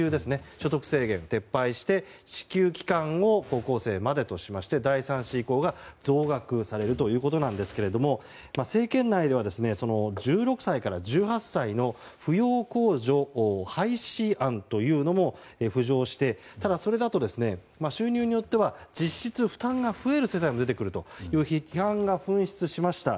所得制限を撤廃して支給期間を高校生までとしまして第３子以降が増額されるということなんですが政権内では、１６歳から１８歳の扶養控除廃止案というのも浮上してただ、それだと収入によっては実質負担が増える世帯も出てくるという批判が噴出しました。